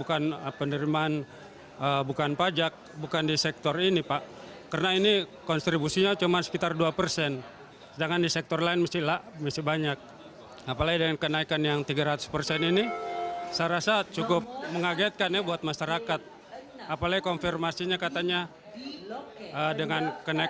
kalau kayaknya dulu tuh perpanjangan disini tuh kalau pagi untuk pribadi kalau sore untuk para agen agen gitu